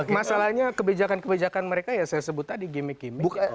masalahnya kebijakan kebijakan mereka ya saya sebut tadi gimmick gimmick